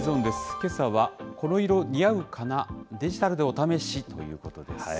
けさはこの色似合うかな、デジタルでお試しということです。